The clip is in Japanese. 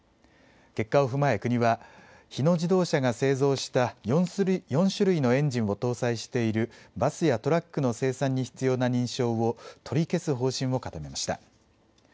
結果を踏まえ国は、日野自動車が製造した４種類のエンジンを搭載しているバスやトラックの生産に必要な認証を取り消す方針を固めました。